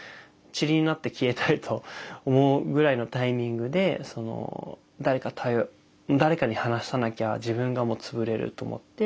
塵になって消えたいと思うぐらいのタイミングで誰かに話さなきゃ自分がもう潰れると思って。